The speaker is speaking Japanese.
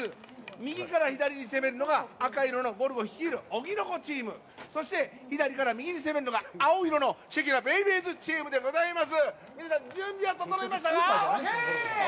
右から左に攻めるのが赤色のゴルゴ率いる荻の子チームそして、左から右に攻めるのが青色のシェキナベイビーズチームでございます。